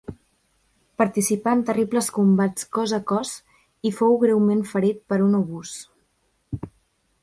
Participà en terribles combats cos a cos i fou greument ferit per un obús.